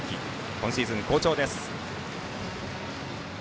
今シーズン好調です。